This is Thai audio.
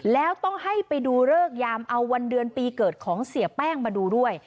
แล้วต้องให้ไปดูเลิกยามเอาวันเดือนปีเกิดของเสียแป้งมาดูด้วย